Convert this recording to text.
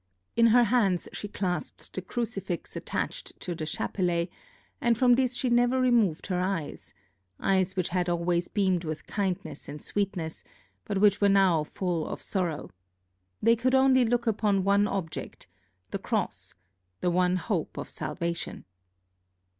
In her hands she clasped the crucifix attached to the chapelet, and from this she never removed her eyes, eyes which had always beamed with kindness and sweetness, but which were now full of sorrow. They could only look upon one object the cross, the one hope of salvation.